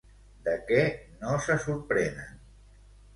De què no se sorprenen?